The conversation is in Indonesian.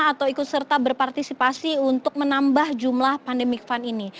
atau ikut serta berpartisipasi untuk menambah jumlah pandemic fund ini